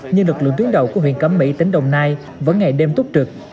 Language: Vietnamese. nhưng lực lượng tuyến đầu của huyện cấm mỹ tính đồng nai vẫn ngày đêm tốt trực